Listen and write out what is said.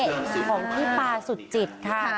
ของพี่ปาสุจิตค่ะ